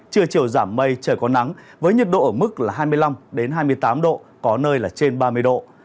trưa chiều giảm mây trời có nắng với nhiệt độ ở mức là hai mươi năm hai mươi tám độ có nơi là trên ba mươi độ